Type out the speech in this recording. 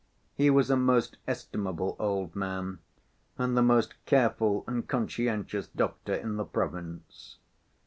He was a most estimable old man, and the most careful and conscientious doctor in the province.